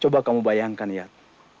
coba kamu bayangkan yat